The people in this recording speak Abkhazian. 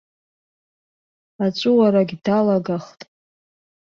Аҵәуарагь далагахт!